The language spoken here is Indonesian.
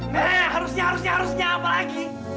nek harusnya harusnya harusnya apa lagi